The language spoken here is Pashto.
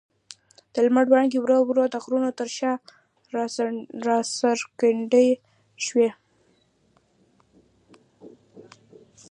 د لمر وړانګې ورو ورو د غرونو تر شا راڅرګندې شوې.